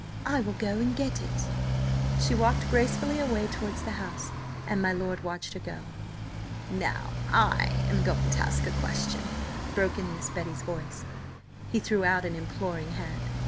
"I will go and get it." She walked gracefully away towards the house, and my lord watched her go. "Now I am going to ask a question," broke in Miss Betty's voice. He threw out an imploring hand.